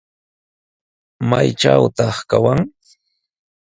¿Maytrawtaq kawan?